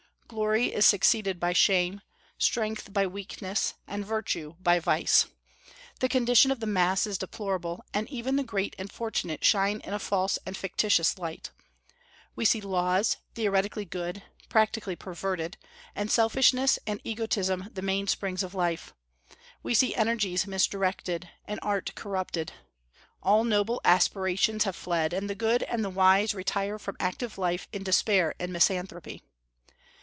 Glory is succeeded by shame, strength by weakness, and virtue by vice. The condition of the mass is deplorable, and even the great and fortunate shine in a false and fictitious light. We see laws, theoretically good, practically perverted, and selfishness and egotism the mainsprings of life; we see energies misdirected, and art corrupted. All noble aspirations have fled, and the good and the wise retire from active life in despair and misanthropy.